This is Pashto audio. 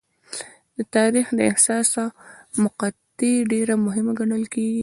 د تاریخ دا حساسه مقطعه ډېره مهمه ګڼل کېږي.